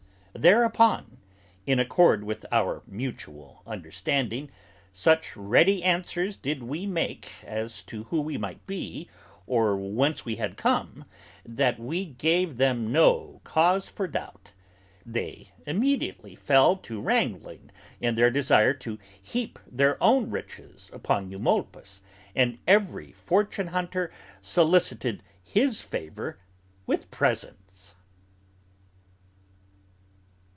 Thereupon, in accord with our mutual understanding, such ready answers did we make as to who we might be or whence we had come that we gave them no cause for doubt. They immediately fell to wrangling in their desire to heap their own riches upon Eumolpus and every fortune hunter solicited his favor with presents.